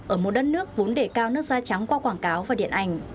ở một đất nước vốn để cao nước da trắng qua quảng cáo và điện ảnh